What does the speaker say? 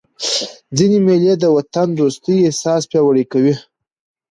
ځيني مېلې د وطن دوستۍ احساس پیاوړی کوي.